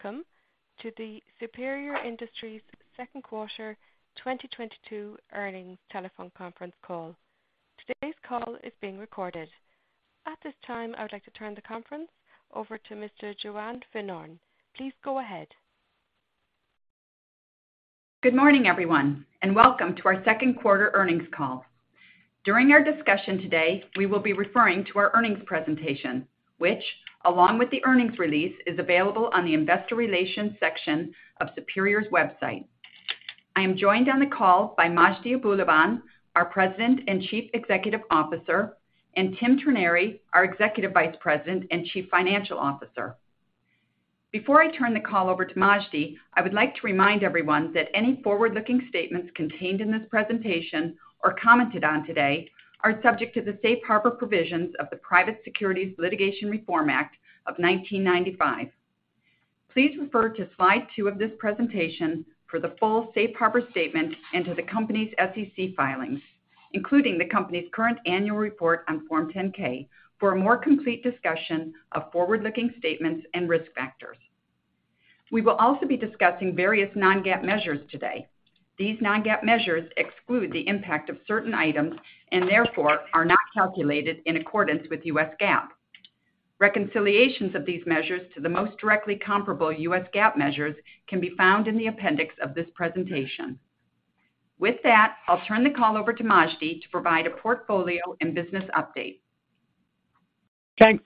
Welcome to the Superior Industries Second Quarter 2022 Earnings Telephone Conference call. Today's call is being recorded. At this time, I would like to turn the conference over to Mr. Joanne Finnorn. Please go ahead. Good morning, everyone, and welcome to our second quarter earnings call. During our discussion today, we will be referring to our earnings presentation, which, along with the earnings release, is available on the investor relations section of Superior's website. I am joined on the call by Majdi Abulaban, our President and Chief Executive Officer, and Tim Trenary, our Executive Vice President and Chief Financial Officer. Before I turn the call over to Majdi, I would like to remind everyone that any forward-looking statements contained in this presentation or commented on today are subject to the Safe Harbor provisions of the Private Securities Litigation Reform Act of 1995. Please refer to slide two of this presentation for the full Safe Harbor statement and to the company's SEC filings, including the company's current annual report on Form 10-K, for a more complete discussion of forward-looking statements and risk factors. We will also be discussing various non-GAAP measures today. These non-GAAP measures exclude the impact of certain items and therefore are not calculated in accordance with U.S. GAAP. Reconciliations of these measures to the most directly comparable U.S. GAAP measures can be found in the appendix of this presentation. With that, I'll turn the call over to Majdi to provide a portfolio and business update. Thanks,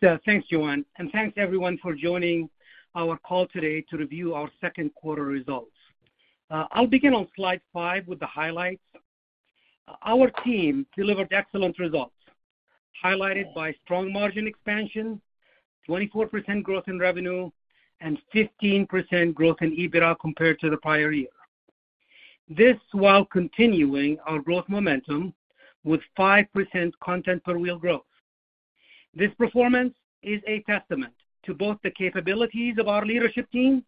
Joanne, and thanks everyone for joining our call today to review our second quarter results. I'll begin on slide five with the highlights. Our team delivered excellent results, highlighted by strong margin expansion, 24% growth in revenue, and 15% growth in EBITDA compared to the prior year. This while continuing our growth momentum with 5% Content per Wheel growth. This performance is a testament to both the capabilities of our leadership team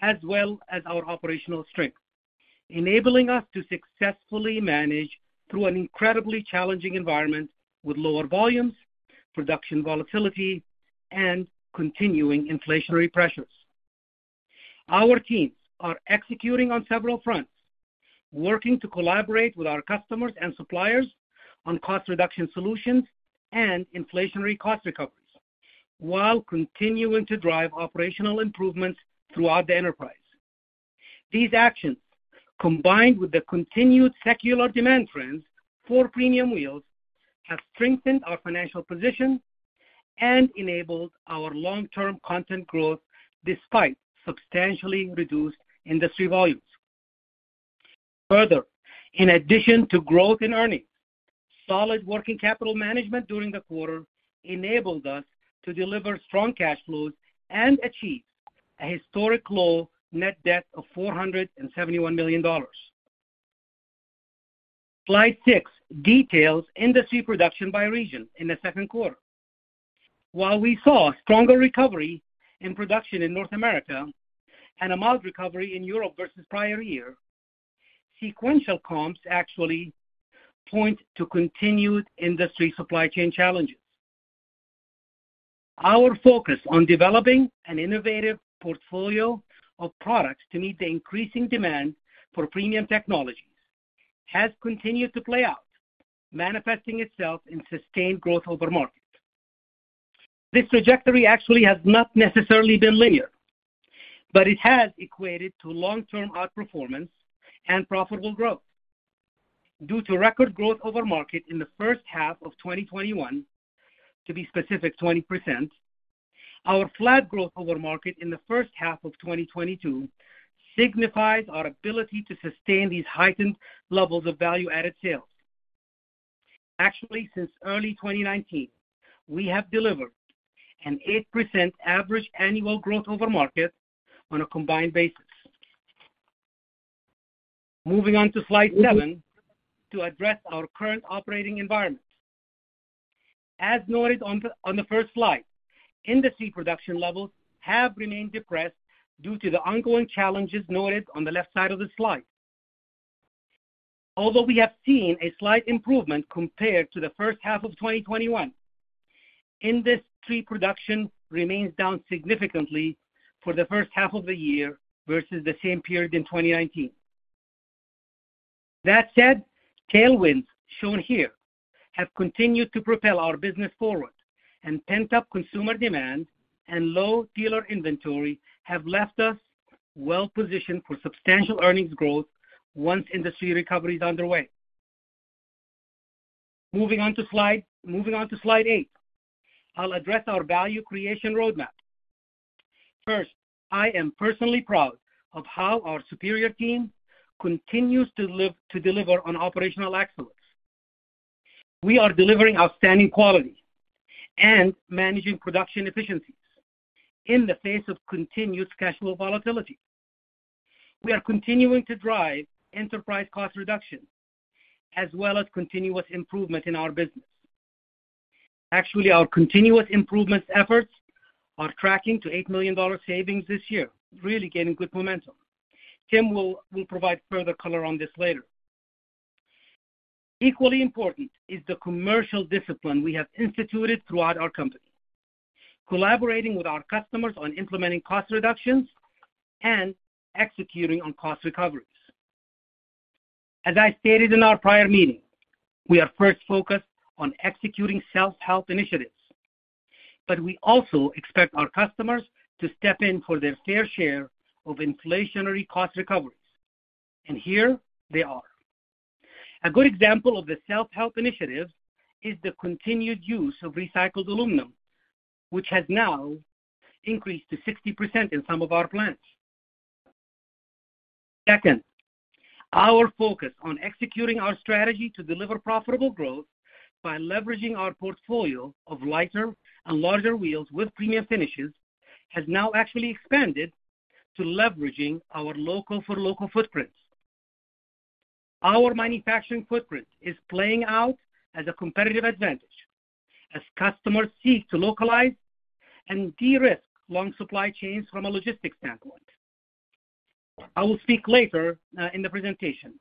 as well as our operational strength, enabling us to successfully manage through an incredibly challenging environment with lower volumes, production volatility, and continuing inflationary pressures. Our teams are executing on several fronts, working to collaborate with our customers and suppliers on cost reduction solutions and inflationary cost recoveries, while continuing to drive operational improvements throughout the enterprise. These actions, combined with the continued secular demand trends for premium wheels, have strengthened our financial position and enabled our long-term content growth despite substantially reduced industry volumes. Further, in addition to growth in earnings, solid working capital management during the quarter enabled us to deliver strong cash flows and achieve a historic low net debt of $471 million. Slide six details industry production by region in the second quarter. While we saw a stronger recovery in production in North America and a mild recovery in Europe versus prior year, sequential comps actually point to continued industry supply chain challenges. Our focus on developing an innovative portfolio of products to meet the increasing demand for premium technologies has continued to play out, manifesting itself in sustained growth over market. This trajectory actually has not necessarily been linear, but it has equated to long-term outperformance and profitable growth. Due to record growth over market in the first half of 2021, to be specific, 20%, our flat growth over market in the first half of 2022 signifies our ability to sustain these heightened levels of value-added sales. Actually, since early 2019, we have delivered an 8% average annual growth over market on a combined basis. Moving on to slide seven to address our current operating environment. As noted on the first slide, industry production levels have remained depressed due to the ongoing challenges noted on the left side of the slide. Although we have seen a slight improvement compared to the first half of 2021, industry production remains down significantly for the first half of the year versus the same period in 2019. That said, tailwinds, shown here, have continued to propel our business forward, and pent-up consumer demand and low dealer inventory have left us well-positioned for substantial earnings growth once industry recovery is underway. Moving on to slide eight, I'll address our value creation roadmap. First, I am personally proud of how our Superior team continues to deliver on operational excellence. We are delivering outstanding quality and managing production efficiencies in the face of continuous cash flow volatility. We are continuing to drive enterprise cost reduction as well as continuous improvement in our business. Actually, our continuous improvement efforts are tracking to $8 million savings this year, really gaining good momentum. Tim will provide further color on this later. Equally important is the commercial discipline we have instituted throughout our company. Collaborating with our customers on implementing cost reductions and executing on cost recoveries. As I stated in our prior meeting, we are first focused on executing self-help initiatives, but we also expect our customers to step in for their fair share of inflationary cost recoveries, and here they are. A good example of the self-help initiatives is the continued use of recycled aluminum, which has now increased to 60% in some of our plants. Second, our focus on executing our strategy to deliver profitable growth by leveraging our portfolio of lighter and larger wheels with premium finishes has now actually expanded to leveraging our local for local footprints. Our manufacturing footprint is playing out as a competitive advantage as customers seek to localize and de-risk long supply chains from a logistics standpoint. I will speak later in the presentation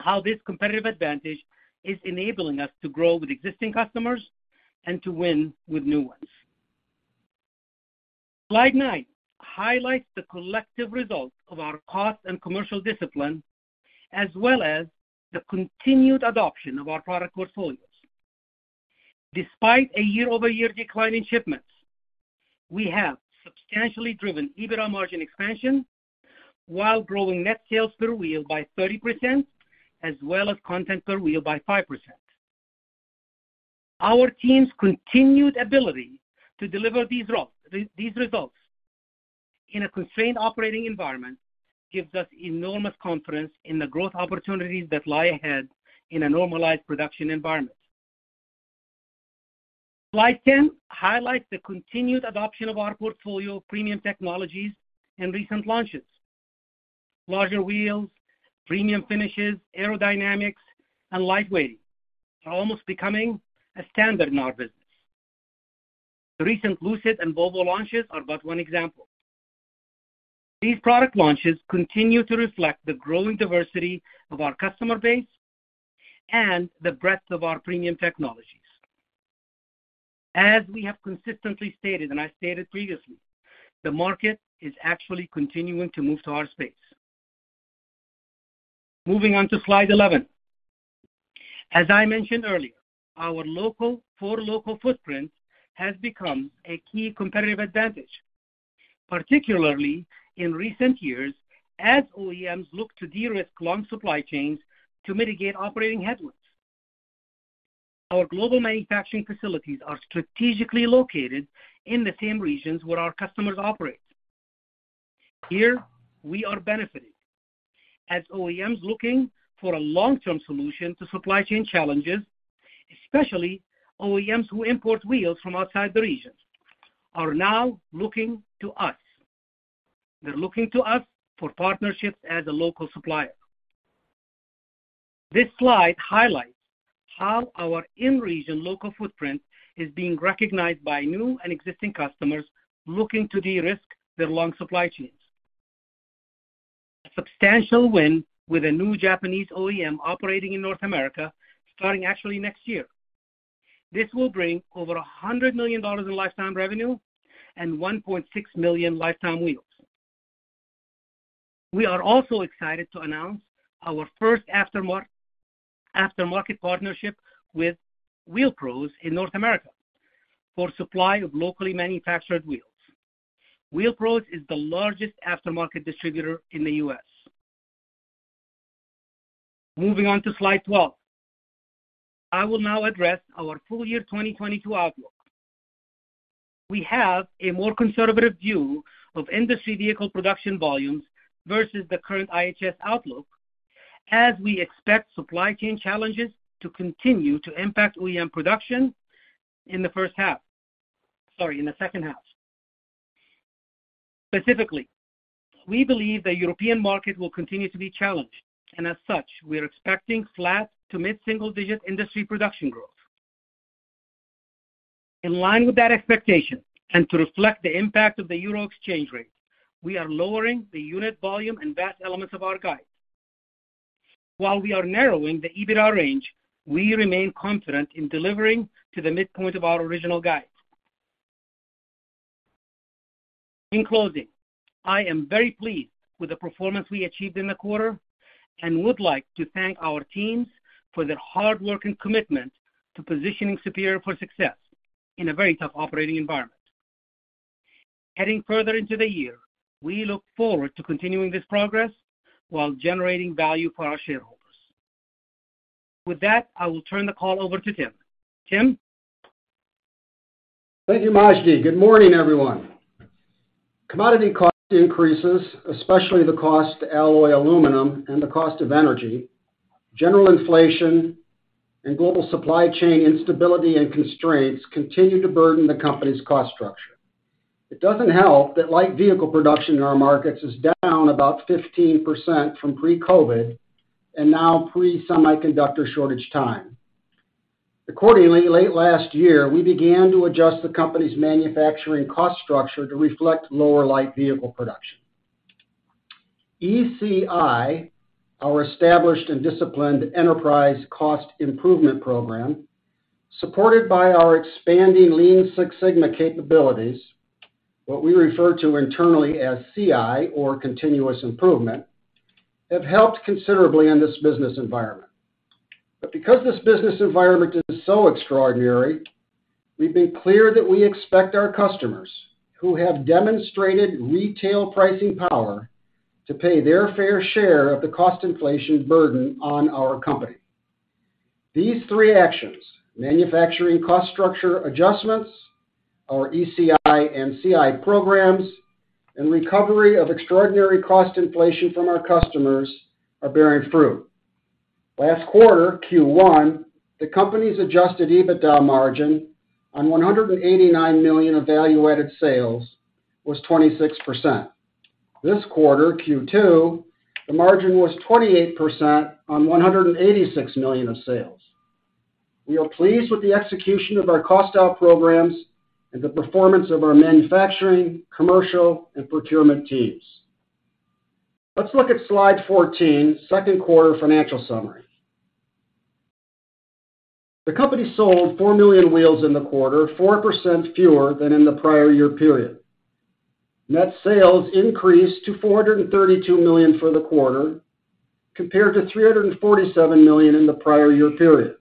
how this competitive advantage is enabling us to grow with existing customers and to win with new ones. Slide nine highlights the collective results of our cost and commercial discipline, as well as the continued adoption of our product portfolios. Despite a year-over-year decline in shipments, we have substantially driven EBITDA margin expansion while growing net sales per wheel by 30% as well as content per wheel by 5%. Our team's continued ability to deliver these results in a constrained operating environment gives us enormous confidence in the growth opportunities that lie ahead in a normalized production environment. Slide 10 highlights the continued adoption of our portfolio of premium technologies and recent launches. Larger wheels, premium finishes, aerodynamics, and light weighting are almost becoming a standard in our business. The recent Lucid and Volvo launches are but one example. These product launches continue to reflect the growing diversity of our customer base and the breadth of our premium technologies. As we have consistently stated, and I stated previously, the market is actually continuing to move to our space. Moving on to slide 11. As I mentioned earlier, our local for local footprint has become a key competitive advantage, particularly in recent years as OEMs look to de-risk long supply chains to mitigate operating headwinds. Our global manufacturing facilities are strategically located in the same regions where our customers operate. Here we are benefiting. As OEMs looking for a long-term solution to supply chain challenges, especially OEMs who import wheels from outside the regions, are now looking to us. They're looking to us for partnerships as a local supplier. This slide highlights how our in-region local footprint is being recognized by new and existing customers looking to de-risk their long supply chains. A substantial win with a new Japanese OEM operating in North America, starting actually next year. This will bring over $100 million in lifetime revenue and 1.6 million lifetime wheels. We are also excited to announce our first aftermarket partnership with Wheel Pros in North America for supply of locally manufactured wheels. Wheel Pros is the largest aftermarket distributor in the U.S. Moving on to slide 12. I will now address our full year 2022 outlook. We have a more conservative view of industry vehicle production volumes versus the current IHS outlook, as we expect supply chain challenges to continue to impact OEM production in the first half. Sorry, in the second half. Specifically, we believe the European market will continue to be challenged, and as such, we're expecting flat to mid-single-digit industry production growth. In line with that expectation, and to reflect the impact of the euro exchange rate, we are lowering the unit volume and value-added elements of our guide. While we are narrowing the EBITDA range, we remain confident in delivering to the midpoint of our original guide. In closing, I am very pleased with the performance we achieved in the quarter and would like to thank our teams for their hard work and commitment to positioning Superior for success in a very tough operating environment. Heading further into the year, we look forward to continuing this progress while generating value for our shareholders. With that, I will turn the call over to Tim. Tim. Thank you, Majdi. Good morning, everyone. Commodity cost increases, especially the cost to alloy aluminum and the cost of energy, general inflation and global supply chain instability and constraints continue to burden the company's cost structure. It doesn't help that light vehicle production in our markets is down about 15% from pre-COVID and now pre-semiconductor shortage time. Accordingly, late last year, we began to adjust the company's manufacturing cost structure to reflect lower light vehicle production. ECI, our established and disciplined enterprise cost improvement program, supported by our expanding Lean Six Sigma capabilities, what we refer to internally as CI or continuous improvement, have helped considerably in this business environment. Because this business environment is so extraordinary, we've been clear that we expect our customers who have demonstrated retail pricing power to pay their fair share of the cost inflation burden on our company. These three actions, manufacturing cost structure adjustments, our ECI and CI programs, and recovery of extraordinary cost inflation from our customers, are bearing fruit. Last quarter, Q1, the company's adjusted EBITDA margin on $189 million value-added sales was 26%. This quarter, Q2, the margin was 28% on $186 million of sales. We are pleased with the execution of our cost out programs and the performance of our manufacturing, commercial, and procurement teams. Let's look at slide 14, second quarter financial summary. The company sold 4 million wheels in the quarter, 4% fewer than in the prior year period. Net sales increased to $432 million for the quarter, compared to $347 million in the prior year period.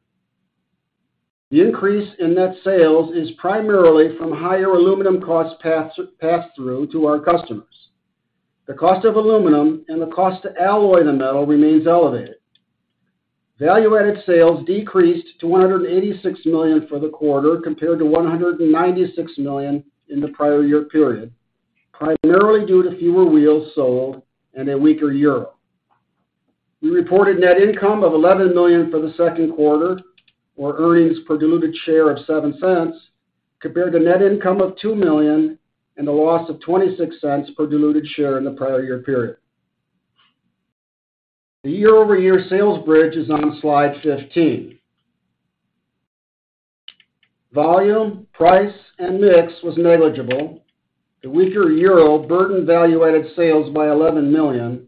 The increase in net sales is primarily from higher aluminum cost pass-through to our customers. The cost of aluminum and the cost to alloy the metal remains elevated. Value-Added Sales decreased to $186 million for the quarter, compared to $196 million in the prior year period, primarily due to fewer wheels sold and a weaker euro. We reported net income of $11 million for the second quarter, or earnings per diluted share of $0.07, compared to net income of $2 million and a loss of $0.26 per diluted share in the prior year period. The year-over-year sales bridge is on slide 15. Volume, price, and mix was negligible. The weaker euro burdened Value-Added Sales by $11 million,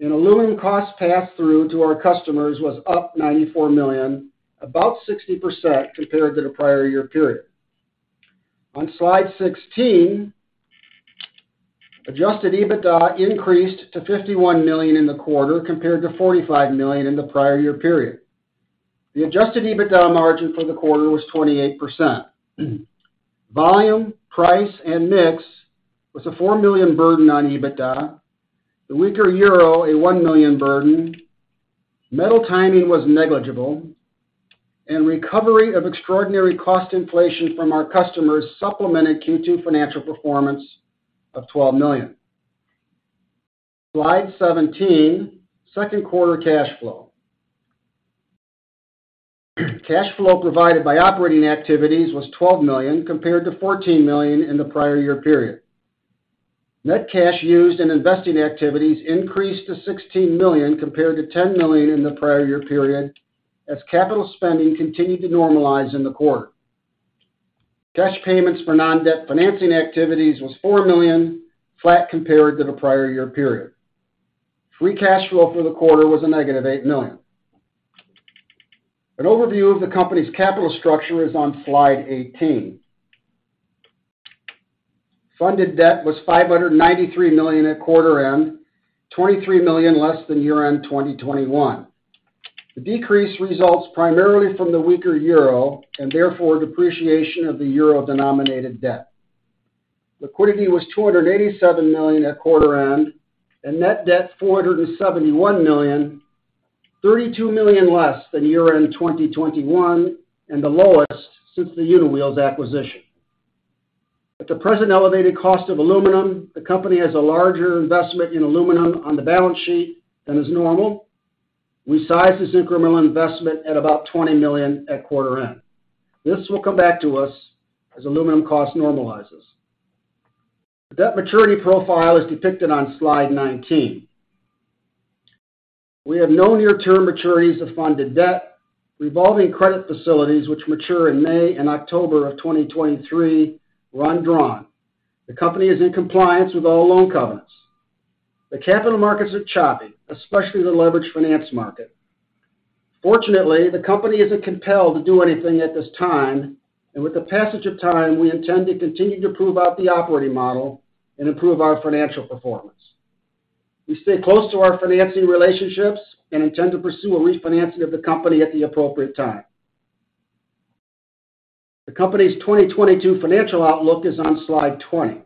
and aluminum cost passed through to our customers was up $94 million, about 60% compared to the prior year period. On slide 16, Adjusted EBITDA increased to $51 million in the quarter, compared to $45 million in the prior year period. The Adjusted EBITDA margin for the quarter was 28%. Volume, price, and mix was a $4 million burden on EBITDA. The weaker euro, a $1 million burden. Metal timing was negligible. Recovery of extraordinary cost inflation from our customers supplemented Q2 financial performance of $12 million. Slide 17, second quarter cash flow. Cash flow provided by operating activities was $12 million, compared to $14 million in the prior year period. Net cash used in investing activities increased to $16 million compared to $10 million in the prior year period, as capital spending continued to normalize in the quarter. Cash payments for non-debt financing activities was $4 million, flat compared to the prior year period. Free Cash Flow for the quarter was -$8 million. An overview of the company's capital structure is on slide 18. Funded debt was $593 million at quarter end, $23 million less than year-end 2021. The decrease results primarily from the weaker euro, and therefore depreciation of the euro-denominated debt. Liquidity was $287 million at quarter end, and net debt $471 million, $32 million less than year-end 2021, and the lowest since the Uniwheels acquisition. At the present elevated cost of aluminum, the company has a larger investment in aluminum on the balance sheet than is normal. We size this incremental investment at about $20 million at quarter end. This will come back to us as aluminum cost normalizes. The debt maturity profile is depicted on slide 19. We have no near-term maturities of funded debt. Revolving credit facilities which mature in May and October of 2023 were undrawn. The company is in compliance with all loan covenants. The capital markets are choppy, especially the leveraged finance market. Fortunately, the company isn't compelled to do anything at this time. With the passage of time, we intend to continue to prove out the operating model and improve our financial performance. We stay close to our financing relationships and intend to pursue a refinancing of the company at the appropriate time. The company's 2022 financial outlook is on slide 20.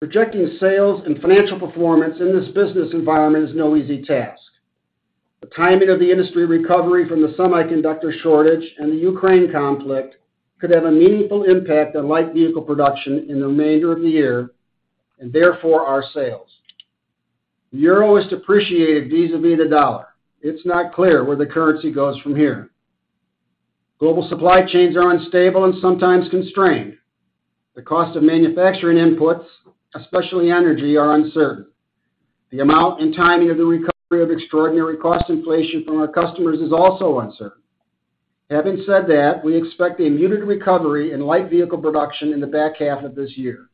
Projecting sales and financial performance in this business environment is no easy task. The timing of the industry recovery from the semiconductor shortage and the Ukraine conflict could have a meaningful impact on light vehicle production in the remainder of the year, and therefore, our sales. The euro is depreciated vis-à-vis the dollar. It's not clear where the currency goes from here. Global supply chains are unstable and sometimes constrained. The cost of manufacturing inputs, especially energy, are uncertain. The amount and timing of the recovery of extraordinary cost inflation from our customers is also uncertain. Having said that, we expect a muted recovery in light vehicle production in the back half of this year.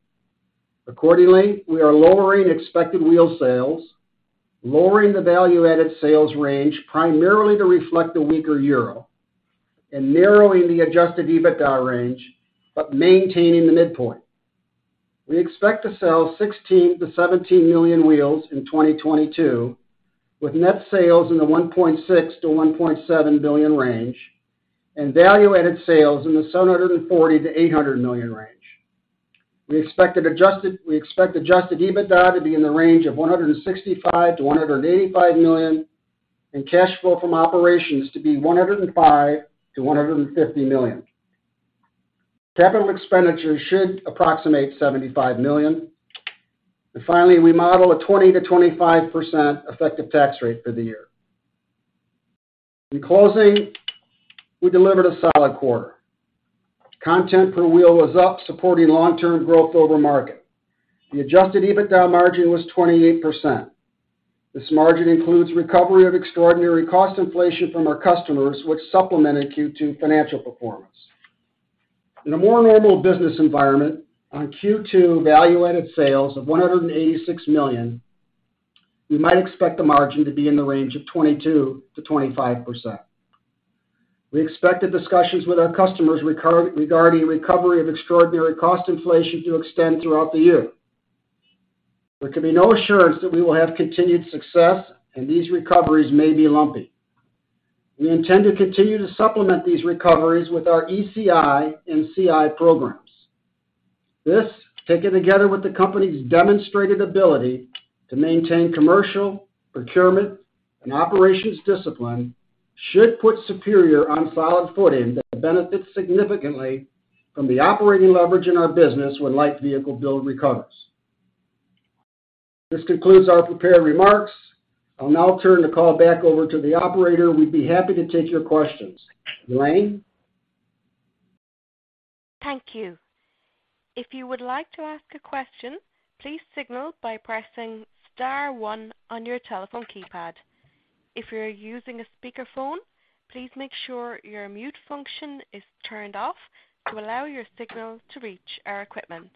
Accordingly, we are lowering expected wheel sales, lowering the value-added sales range primarily to reflect the weaker euro, and narrowing the Adjusted EBITDA range, but maintaining the midpoint. We expect to sell 16 million-17 million wheels in 2022, with net sales in the $1.6 billion-$1.7 billion range and value-added sales in the $740 million-$800 million range. We expect adjusted EBITDA to be in the range of $165 million-$185 million and cash flow from operations to be $105 million-$150 million. Capital expenditures should approximate $75 million. Finally, we model a 20%-25% effective tax rate for the year. In closing, we delivered a solid quarter. Content per Wheel was up, supporting long-term growth over market. The Adjusted EBITDA margin was 28%. This margin includes recovery of extraordinary cost inflation from our customers, which supplemented Q2 financial performance. In a more normal business environment on Q2 Value-Added Sales of $186 million, we might expect the margin to be in the range of 22%-25%. We expect the discussions with our customers regarding recovery of extraordinary cost inflation to extend throughout the year. There can be no assurance that we will have continued success, and these recoveries may be lumpy. We intend to continue to supplement these recoveries with our ECI and CI programs. This, taken together with the company's demonstrated ability to maintain commercial, procurement, and operations discipline should put Superior on solid footing that benefits significantly from the operating leverage in our business when light vehicle build recovers. This concludes our prepared remarks. I'll now turn the call back over to the operator. We'd be happy to take your questions. Elaine? Thank you. If you would like to ask a question, please signal by pressing star one on your telephone keypad. If you're using a speakerphone, please make sure your mute function is turned off to allow your signal to reach our equipment.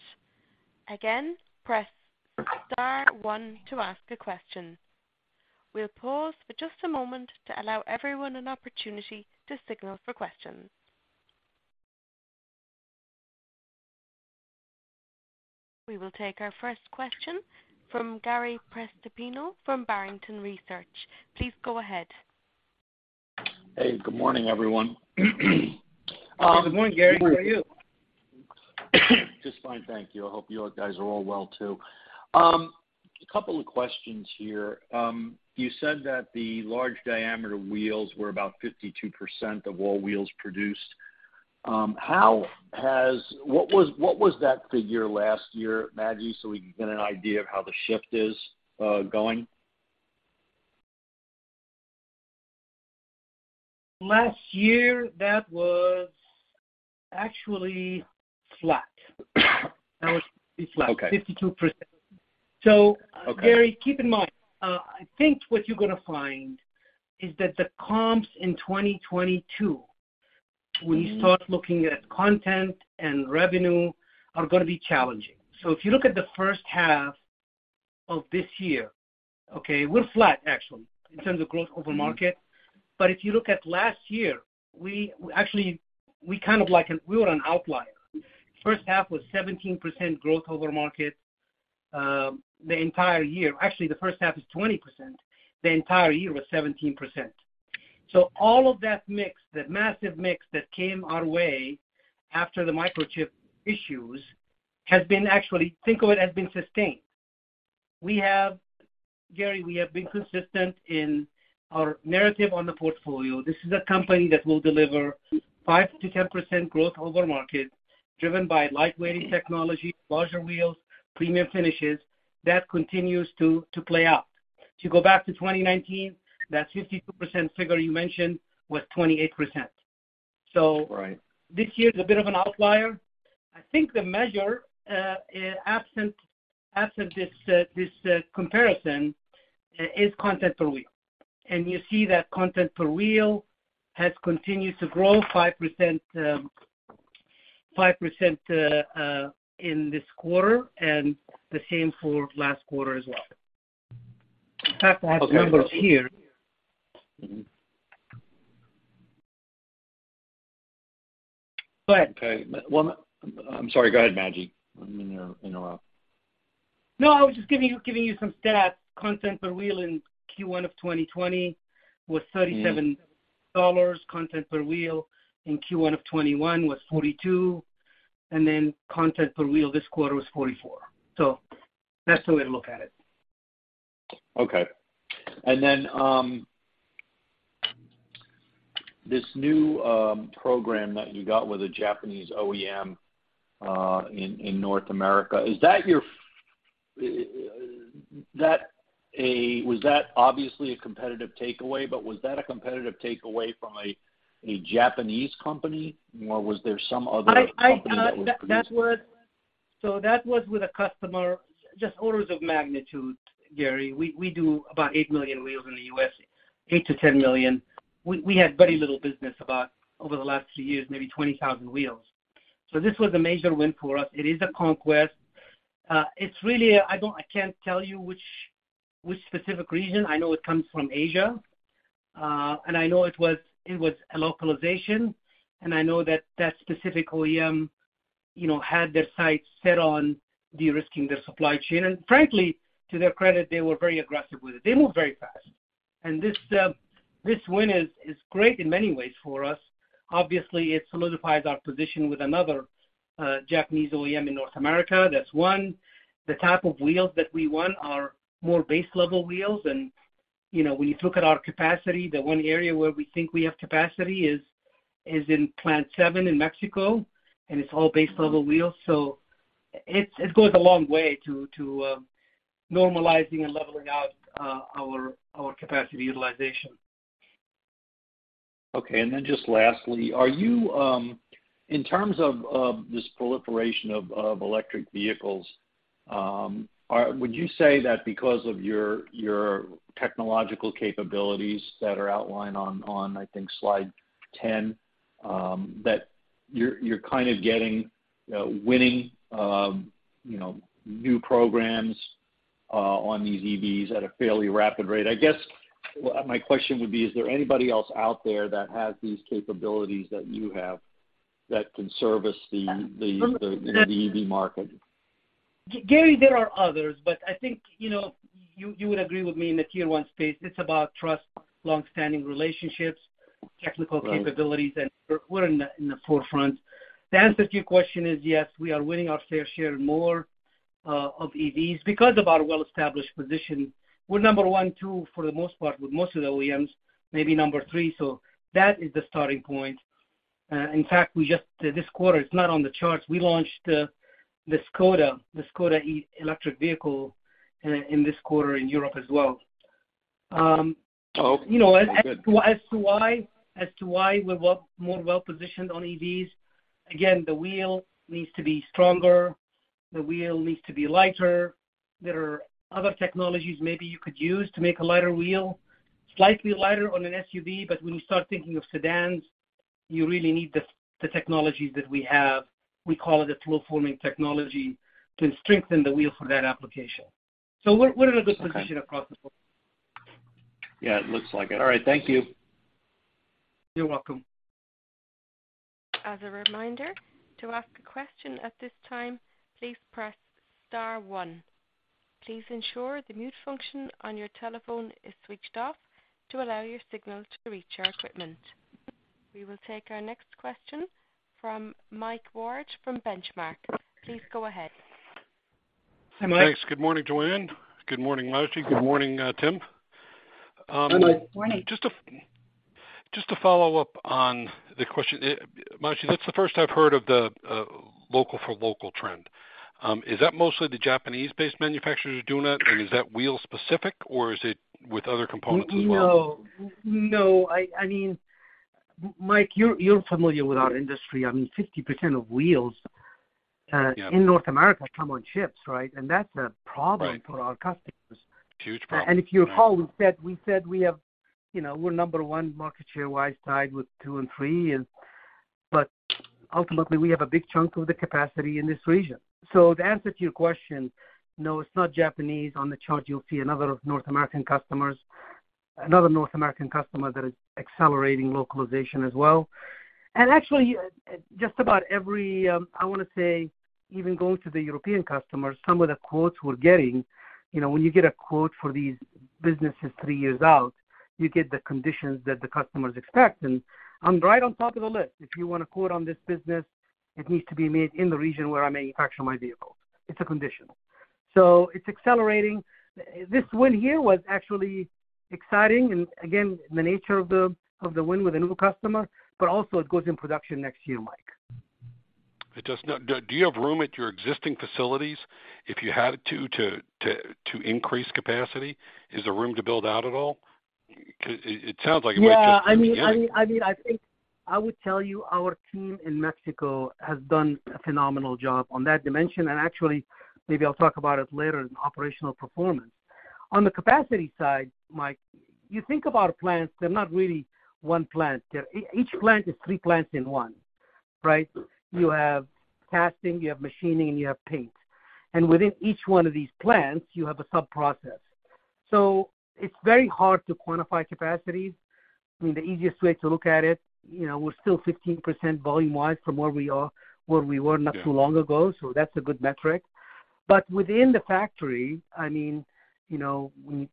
Again, press star one to ask a question. We'll pause for just a moment to allow everyone an opportunity to signal for questions. We will take our first question from Gary Prestopino from Barrington Research. Please go ahead. Hey, good morning, everyone. Good morning, Gary. How are you? Just fine. Thank you. I hope you guys are all well too. A couple of questions here. You said that the large diameter wheels were about 52% of all wheels produced. What was that figure last year, Majdi, so we can get an idea of how the shift is going? Last year, that was actually flat. Okay. It's flat, 52%. Okay. Gary, keep in mind, I think what you're gonna find is that the comps in 2022, when you start looking at content and revenue, are gonna be challenging. If you look at the first half of this year, okay, we're flat actually in terms of growth over market. If you look at last year, we actually, we kind of like, we were an outlier. First half was 17% growth over market, the entire year. Actually, the first half is 20%. The entire year was 17%. All of that mix, that massive mix that came our way after the microchip issues has been actually, think of it, has been sustained. We have, Gary, been consistent in our narrative on the portfolio. This is a company that will deliver 5%-10% growth over market, driven by lightweight technology, larger wheels, premium finishes. That continues to play out. If you go back to 2019, that 52% figure you mentioned was 28%. Right. This year is a bit of an outlier. I think the measure absent this comparison is Content per Wheel. You see that Content per Wheel has continued to grow 5% in this quarter and the same for last quarter as well. In fact, I have the numbers here. Okay. Go ahead. Okay. Well, I'm sorry. Go ahead, Majdi. I didn't mean to interrupt. No, I was just giving you some stats. Content per Wheel in Q1 of 2020 was $37. Content per Wheel in Q1 of 2021 was $42. Content per Wheel this quarter was $44. That's the way to look at it. Okay. This new program that you got with a Japanese OEM in North America, is that obviously a competitive takeaway? Was that a competitive takeaway from a Japanese company, or was there some other company that was producing? That was with a customer, just orders of magnitude, Gary. We do about 8 million wheels in the U.S., 8 million-10 million. We had very little business over the last few years, about 20,000 wheels. This was a major win for us. It is a conquest. It's really. I don't, I can't tell you which specific region. I know it comes from Asia, and I know it was a localization, and I know that specific OEM, you know, had their sights set on de-risking their supply chain. Frankly, to their credit, they were very aggressive with it. They moved very fast. This win is great in many ways for us. Obviously, it solidifies our position with another Japanese OEM in North America. That's one. The type of wheels that we won are more base-level wheels. You know, when you look at our capacity, the one area where we think we have capacity is in plant seven in Mexico, and it's all base-level wheels. It goes a long way to normalizing and leveling out our capacity utilization. Okay. Just lastly, in terms of this proliferation of electric vehicles, would you say that because of your technological capabilities that are outlined on I think slide 10, that you're kind of getting winning, you know, new programs on these EVs at a fairly rapid rate? I guess my question would be, is there anybody else out there that has these capabilities that you have that can service the EV market? Gary, there are others, but I think, you know, you would agree with me in the tier one space, it's about trust, long-standing relationships. Right. Technical capabilities, and we're in the forefront. The answer to your question is, yes, we are winning our fair share and more of EVs because of our well-established position. We're number one, two for the most part with most of the OEMs, maybe number three. That is the starting point. In fact, this quarter, it's not on the charts. We launched the Škoda electric vehicle in this quarter in Europe as well. Oh, good. You know, as to why we're more well-positioned on EVs, again, the wheel needs to be stronger. The wheel needs to be lighter. There are other technologies maybe you could use to make a lighter wheel, slightly lighter on an SUV, but when you start thinking of sedans, you really need the technologies that we have. We call it a flow-forming technology to strengthen the wheel for that application. We're in a good position. Okay. Across the board. Yeah, it looks like it. All right. Thank you. You're welcome. As a reminder, to ask a question at this time, please press star one. Please ensure the mute function on your telephone is switched off to allow your signal to reach our equipment. We will take our next question from Mike Ward from Benchmark. Please go ahead. Hi, Mike. Thanks. Good morning, Joanne. Good morning, Majdi. Good morning, Tim. Hi, Mike. Morning. Just to follow up on the question. Majdi, that's the first I've heard of the local for local trend. Is that mostly the Japanese-based manufacturers are doing that? Is that wheel-specific, or is it with other components as well? No. I mean, Mike, you're familiar with our industry. I mean, 50% of wheels, Yeah. In North America come on ships, right? That's a problem. Right. For our customers. Huge problem. Yeah. If you recall, we said we have, you know, we're number one market share-wise, tied with two and three. Ultimately, we have a big chunk of the capacity in this region. To answer to your question, no, it's not Japanese. On the chart, you'll see another North American customer that is accelerating localization as well. Actually, just about every, I wanna say, even going to the European customers, some of the quotes we're getting, you know, when you get a quote for these businesses three years out, you get the conditions that the customers expect. I'm right on top of the list. If you want a quote on this business, it needs to be made in the region where I manufacture my vehicles. It's a condition. It's accelerating. This win here was actually exciting and again, the nature of the win with a new customer, but also it goes in production next year, Mike. It does. Now do you have room at your existing facilities if you had to to increase capacity? Is there room to build out at all? It sounds like it might just be, yeah. Yeah. I mean, I think I would tell you our team in Mexico has done a phenomenal job on that dimension. Actually, maybe I'll talk about it later in operational performance. On the capacity side, Mike, you think of our plants, they're not really one plant. Each plant is three plants in one, right? You have casting, you have machining, and you have paint. Within each one of these plants, you have a sub-process. It's very hard to quantify capacity. I mean, the easiest way to look at it, you know, we're still 15% volume-wise from where we were. Yeah. Not too long ago, so that's a good metric. Within the factory, I mean, you know, when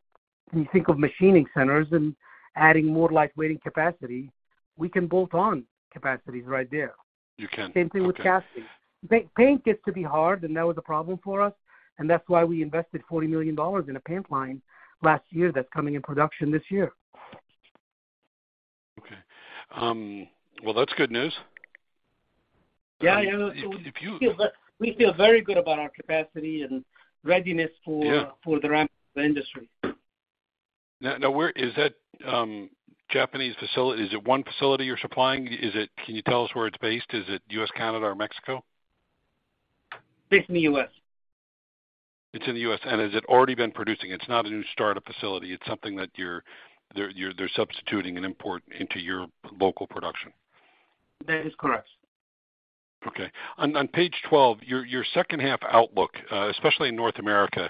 you think of machining centers and adding more light-weighting capacity, we can bolt on capacities right there. You can. Okay. Same thing with casting. Paint gets to be hard, and that was a problem for us, and that's why we invested $40 million in a paint line last year that's coming into production this year. Okay. Well, that's good news. Yeah, yeah. If you- We feel very good about our capacity and readiness for. Yeah. For the ramp of the industry. Now where is that Japanese facility, is it one facility you're supplying? Can you tell us where it's based? Is it U.S., Canada, or Mexico? It's in the U.S. It's in the U.S. Has it already been producing? It's not a new startup facility. It's something that they're substituting an import into your local production. That is correct. Okay. On page 12, your second half outlook, especially in North America,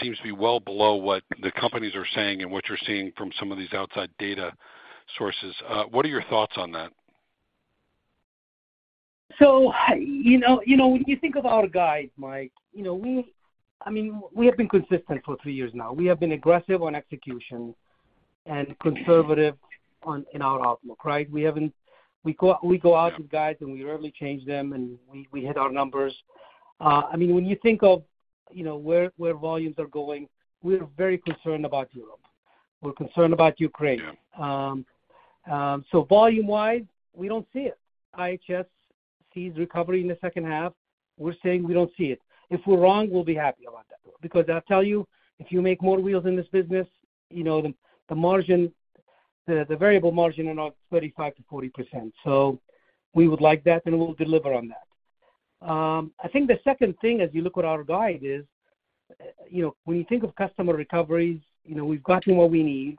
seems to be well below what the companies are saying and what you're seeing from some of these outside data sources. What are your thoughts on that? You know, when you think of our guide, Mike, you know, I mean, we have been consistent for three years now. We have been aggressive on execution and conservative in our outlook, right? We go out with guides, and we hit our numbers. I mean, when you think of, you know, where volumes are going, we're very concerned about Europe. We're concerned about Ukraine. Volume-wise, we don't see it. IHS sees recovery in the second half. We're saying we don't see it. If we're wrong, we'll be happy about that because I'll tell you, if you make more wheels in this business, you know, the margin, the variable margin in our 35%-40%. We would like that, and we'll deliver on that. I think the second thing as we look at our guide is, you know, when you think of customer recoveries, you know, we've gotten what we need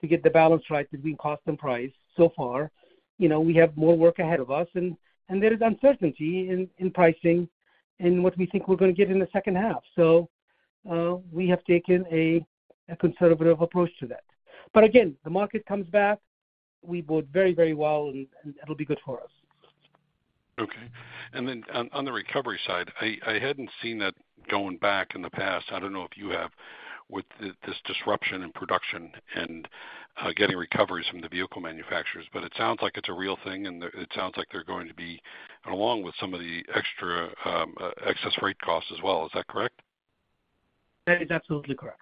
to get the balance right between cost and price so far. You know, we have more work ahead of us, and there is uncertainty in pricing and what we think we're gonna get in the second half. We have taken a conservative approach to that. Again, the market comes back, we build very well and it'll be good for us. Okay. On the recovery side, I hadn't seen that going back in the past. I don't know if you have with this disruption in production and getting recoveries from the vehicle manufacturers, but it sounds like it's a real thing, and it sounds like they're going to be along with some of the extra excess freight costs as well. Is that correct? That is absolutely correct.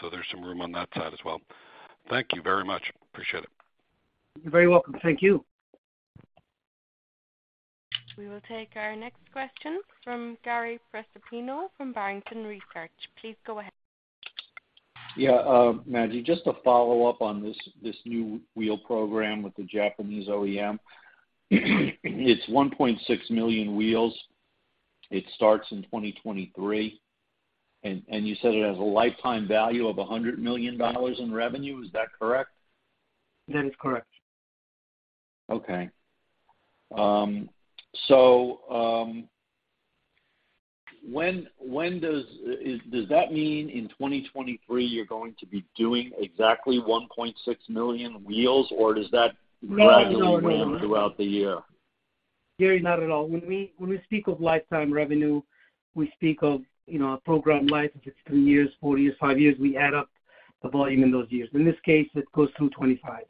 There's some room on that side as well. Thank you very much. Appreciate it. You're very welcome. Thank you. We will take our next question from Gary Prestopino from Barrington Research. Please go ahead. Yeah, Majdi, just to follow up on this new wheel program with the Japanese OEM. It's 1.6 million wheels. It starts in 2023. You said it has a lifetime value of $100 million in revenue. Is that correct? That is correct. Does that mean in 2023 you're going to be doing exactly 1.6 million wheels? Or does that gradually ramp throughout the year? Gary, not at all. When we speak of lifetime revenue, we speak of, you know, a program life. If it's three years, four years, five years, we add up the volume in those years. In this case, it goes to 25.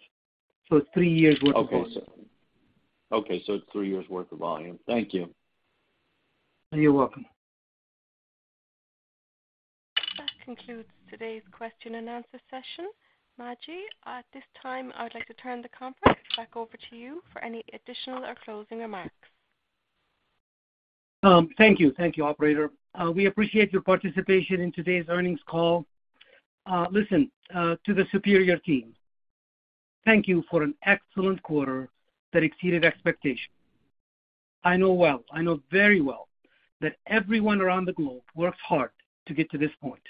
It's three years worth of volume. Okay. It's three years worth of volume. Thank you. You're welcome. That concludes today's question and answer session. Majdi Abulaban, at this time, I would like to turn the conference back over to you for any additional or closing remarks. Thank you. Thank you, operator. We appreciate your participation in today's earnings call. Listen to the Superior team. Thank you for an excellent quarter that exceeded expectations. I know very well that everyone around the globe worked hard to get to this point.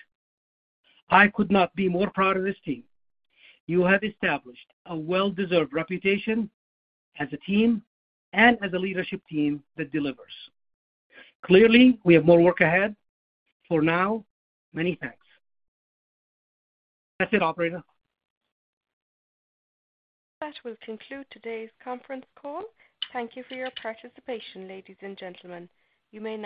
I could not be more proud of this team. You have established a well-deserved reputation as a team and as a leadership team that delivers. Clearly, we have more work ahead. For now, many thanks. That's it, operator. That will conclude today's conference call. Thank you for your participation, ladies and gentlemen. You may now disconnect.